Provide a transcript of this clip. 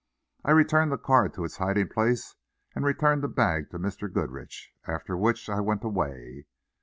I returned the card to its hiding place and returned the bag to Mr. Goodrich, after which I went away.